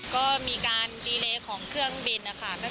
ก็มีการดีเลของเครื่องบินนะคะ